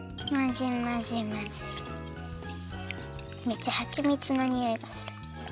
めっちゃはちみつのにおいがする。